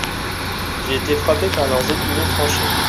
J'ai été frappé par leurs opinions tranchés.